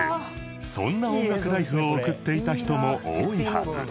そんな音楽ライフを送っていた人も多いはず